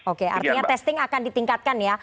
oke artinya testing akan ditingkatkan ya